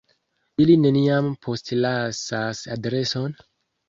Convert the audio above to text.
Ili neniam postlasas adreson?